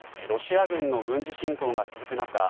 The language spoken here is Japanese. ロシア軍の軍事侵攻が続く中